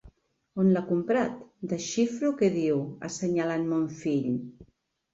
On l'ha comprat? —desxifro que diu, assenyalant mon fill.